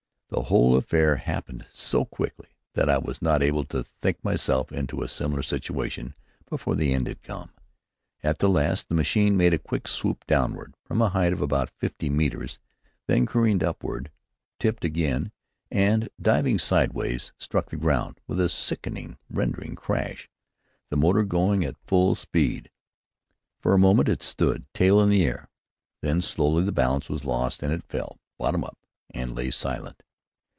The whole affair happened so quickly that I was not able to think myself into a similar situation before the end had come. At the last, the machine made a quick swoop downward, from a height of about fifty metres, then careened upward, tipped again, and diving sidewise, struck the ground with a sickening rending crash, the motor going at full speed. For a moment it stood, tail in air; then slowly the balance was lost, and it fell, bottom up, and lay silent.